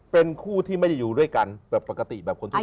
เป็นคู่ที่ไม่ได้อยู่ด้วยกันแบบปกติแบบคนทั่ว